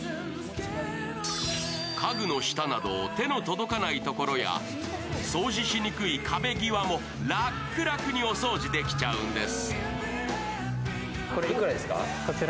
家具の下など、手の届かないところや掃除しにくい壁際も楽々お掃除できちゃうんです。